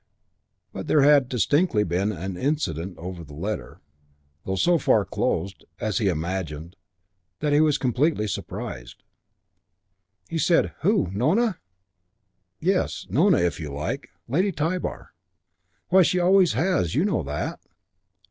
But there had distinctly been an "incident" over the letter, though so far closed, as he had imagined, that he was completely surprised. He said "Who? Nona?" "Yes, Nona, if you like. Lady Tybar." "Why, she always has. You know that."